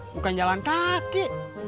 bukan jalan kaki